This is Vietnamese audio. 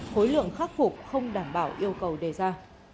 khối lượng khắc phục không đảm bảo yêu cầu đề ra